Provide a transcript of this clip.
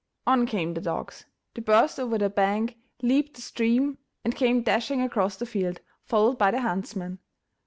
On came the dogs; they burst over the bank, leaped the stream and came dashing across the field, followed by the huntsmen.